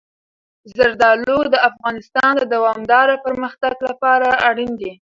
زردالو د افغانستان د دوامداره پرمختګ لپاره اړین دي.